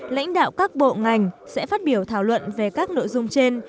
lãnh đạo các bộ ngành sẽ phát biểu thảo luận về các nội dung trên